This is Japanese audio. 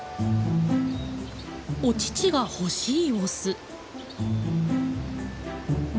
お乳が欲しい様子。